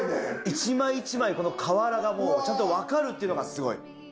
一枚一枚この瓦がもうちゃんと分かるっていうのがすごい。